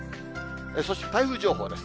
そして台風情報です。